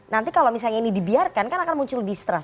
nanti kalau misalnya ini dibiarkan kan akan muncul distrust